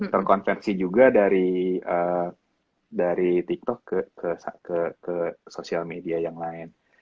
terkonvensi juga dari tiktok ke sosial media yang lain